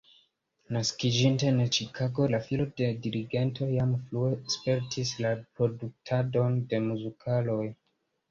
Naskiĝinte en Ĉikago, la filo de dirigento jam frue spertis la produktadon de muzikaloj.